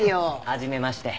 はじめまして。